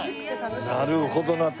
なるほどなって。